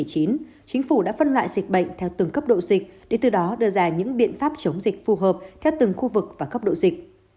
chính phủ đã phân loại dịch bệnh theo từng cấp độ dịch để từ đó đưa ra những biện pháp chống dịch phù hợp theo từng khu vực và cấp độ dịch